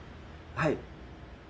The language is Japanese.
はい。